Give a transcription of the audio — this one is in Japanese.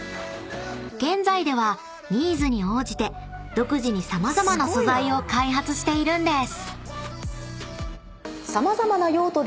［現在ではニーズに応じて独自に様々な素材を開発しているんです］